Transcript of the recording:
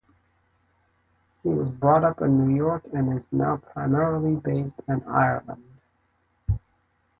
He was brought up in New York and is now primarily based in Ireland.